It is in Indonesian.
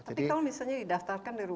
tapi kalau misalnya didaftarkan dari